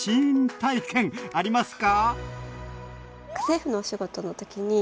体験ありますか？